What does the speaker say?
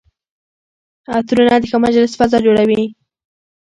عطرونه د ښه مجلس فضا جوړوي.